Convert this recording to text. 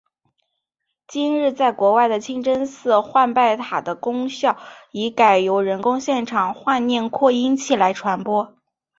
今日在国外的清真寺唤拜塔的功能已改由人工现场唤念扩音器来传播。